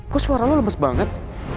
kok suara lo lemes banget